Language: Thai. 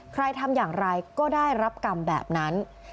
ใครทำอย่างไรก็ได้รับกรรมแบบนั้น